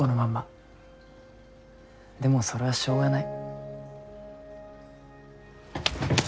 でもそれはしょうがない。